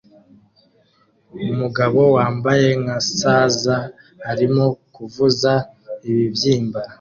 Umugabo wambaye nka saza arimo kuvuza ibibyimba